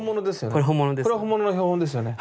これは本物の標本ですよね。